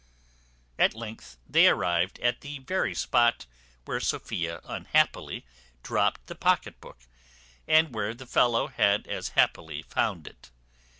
_ At length they arrived at the very spot where Sophia unhappily dropt the pocket book, and where the fellow had as happily found it.